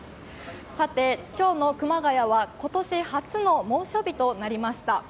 さて、今日の熊谷は今年初の猛暑日となりました。